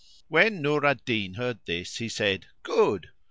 When Nur al Din heard this he said, "Good!